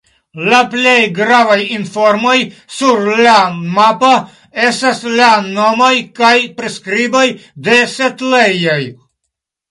La plej gravaj informoj sur la mapo estas la nomoj kaj priskriboj de setlejoj.